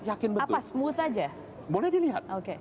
apa smooth aja boleh dilihat